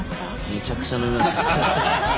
めちゃくちゃ飲みました。